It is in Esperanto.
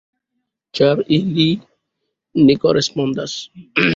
Ĉar ili ne korespondas.